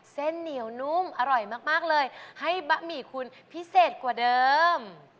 เส้นเหนียวนุ่มอร่อยมากเลยให้บะหมี่คุณพิเศษกว่าเดิม